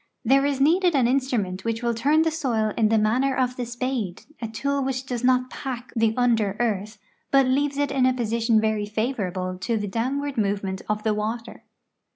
There is needed an instrument which will turn the soil in the manner of the spade, a tool which does not pack the under earth, but leaves it in a position very favorable to the downward movement of the water.